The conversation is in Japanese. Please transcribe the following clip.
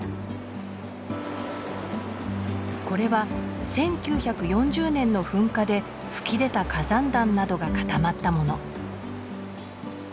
これは１９４０年の噴火で噴き出た火山弾などが固まったもの。